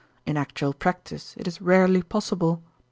In actual practise it is rarely possible.